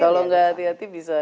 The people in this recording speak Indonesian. kalau nggak hati hati bisa